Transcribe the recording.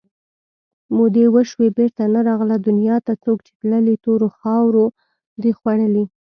مودې وشوې بېرته نه راغله دنیا ته څوک چې تللي تورو مخاورو دي خوړلي